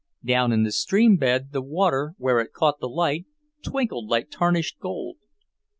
Down in the stream bed the water, where it caught the light, twinkled like tarnished gold.